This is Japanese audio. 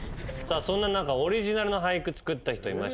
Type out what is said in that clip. さあそんな中オリジナルの俳句作った人いました。